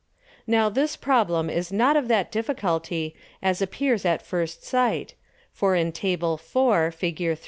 Now this Problem is not of that difficulty as appears at first sight, for in _Tab. 4. Fig.